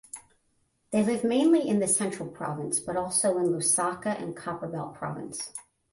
They live mainly in the Central province but also in Lusaka and Copperbelt province.